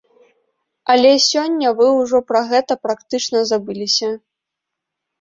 Але сёння вы ўжо пра гэта практычна забыліся.